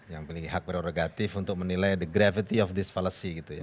yang memiliki hak prerogatif untuk menilai the gravity of this fallacy gitu ya